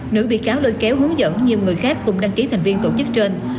nữ bị cáo lôi kéo hướng dẫn nhiều người khác cùng đăng ký thành viên tổ chức trên